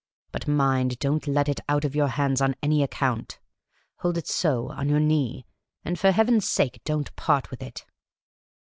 But mind, don't let it out of your hands on any account. Hold it so, on your knee ; and, for Heaven's sake, don't part with it."